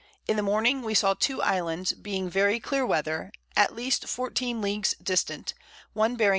In the Morning we saw 2 Islands, being very clear Weather, at least 14 Leagues distant, one bearing N.